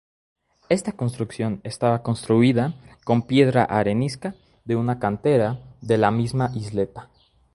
Esta construcción estaba construida con piedra arenisca de una cantera de la misma isleta.